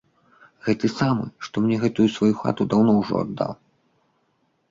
Гэты самы, што мне гэтую сваю хату даўно ўжо аддаў.